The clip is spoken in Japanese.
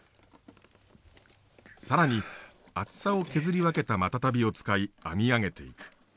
更に厚さを削り分けたマタタビを使い編み上げていく。